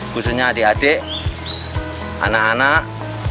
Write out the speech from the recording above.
khususnya adik adik anak anak